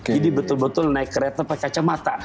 jadi betul betul naik kereta pakai kacamata